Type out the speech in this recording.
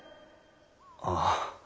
ああ。